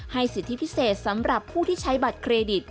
สิทธิพิเศษสำหรับผู้ที่ใช้บัตรเครดิต